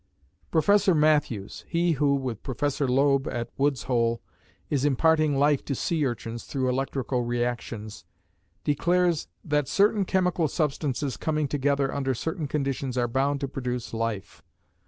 Professor Matthews, he who, with Professor Loeb at Wood's Hole, is imparting life to sea urchins through electrical reactions, declares "that certain chemical substances coming together under certain conditions are bound to produce life.